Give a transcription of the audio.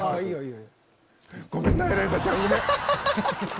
いいよ。